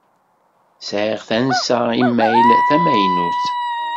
Sεiɣ tansa imayl tamaynut.